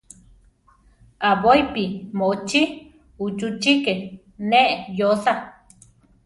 Aʼbóipi moʼochí uchúchiki neʼé yóosa.